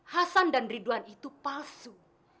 hasan dan ridwan itu palsu